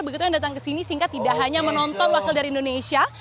begitu yang datang ke sini sehingga tidak hanya menonton wakil dari indonesia